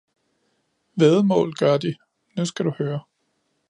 væddemål gør de, nu skal du høre!